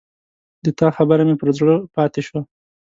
د تا خبره مې پر زړه پاته شوه